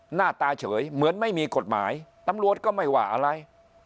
หน้าตาเฉยเหมือนไม่มีกฎหมายตำรวจก็ไม่ว่าอะไร